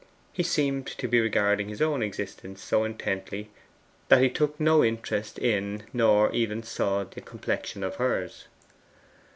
He seemed to be regarding his own existence so intently, that he took no interest in nor even saw the complexion of hers.